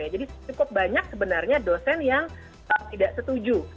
jadi cukup banyak sebenarnya dosen yang tidak setuju